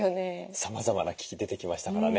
さまざまな機器出てきましたからね。